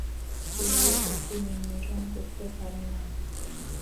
কেউ ওকে নিয়ন্ত্রণ করতে পারে না।